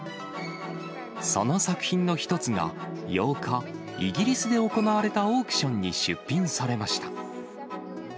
その作品の一つが、８日、イギリスで行われたオークションに出品されました。